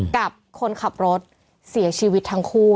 กับคนขับรถเสียชีวิตทั้งคู่